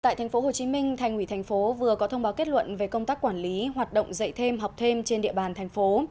tại tp hcm thành ủy thành phố vừa có thông báo kết luận về công tác quản lý hoạt động dạy thêm học thêm trên địa bàn thành phố